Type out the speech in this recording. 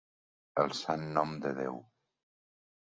El sant nom de Déu.